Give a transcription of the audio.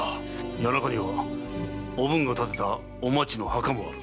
谷中にはおぶんが建てたおまちの墓もある。